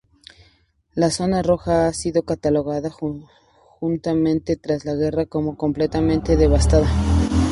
La ""zona roja"" ha sido catalogada justamente tras la guerra como ""Completamente devastada.